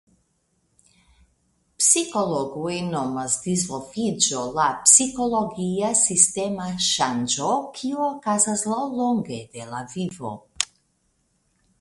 Psikologoj nomas "disvolviĝo" la psikologia sistema ŝanĝo kiu okazas laŭlonge de la vivo.